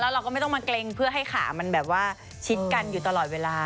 เราก็ไม่ต้องมาเกร็งเพื่อให้ขามันแบบว่าชิดกันอยู่ตลอดเวลา